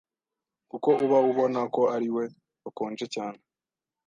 kuko uba ubona ko ariwe wakonje cyane.